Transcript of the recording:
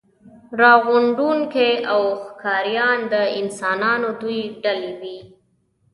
راغونډوونکي او ښکاریان د انسانانو دوې ډلې وې.